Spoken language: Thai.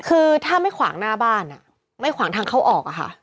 คือถ้าไม่ขวางหน้าบ้านไม่ขวางทางเข้าออกอะค่ะ